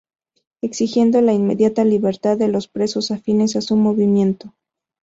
Exigiendo la inmediata libertad de los presos afines a su movimiento.